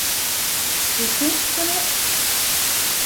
— Уке шонет?..